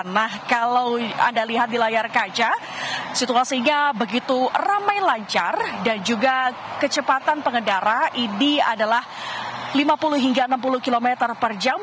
nah kalau anda lihat di layar kaca situasinya begitu ramai lancar dan juga kecepatan pengendara ini adalah lima puluh hingga enam puluh km per jam